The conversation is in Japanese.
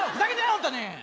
ホントに！